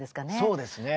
そうですね。